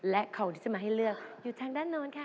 และของที่จะมาให้เลือกอยู่ทางด้านโน้นค่ะ